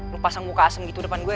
lu pasang muka asem gitu depan gue